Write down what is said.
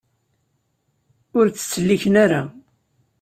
Ur tt-ttselliken ara.